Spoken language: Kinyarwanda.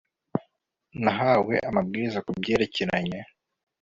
Nahawe amabwiriza ku byerekeranye